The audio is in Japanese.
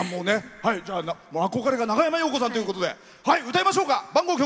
憧れが長山洋子さんということで歌いましょうか。